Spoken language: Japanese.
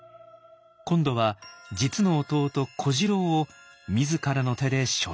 今度は実の弟小次郎を自らの手で処刑。